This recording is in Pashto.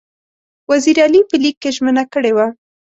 وزیر علي په لیک کې ژمنه کړې وه.